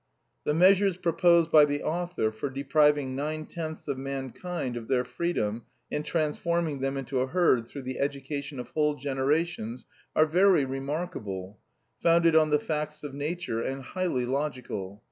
The measures proposed by the author for depriving nine tenths of mankind of their freedom and transforming them into a herd through the education of whole generations are very remarkable, founded on the facts of nature and highly logical.